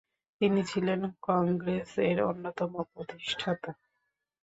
তিনি ছিলেন কংগ্রেস এর অন্যতম প্রতিষ্ঠাতা।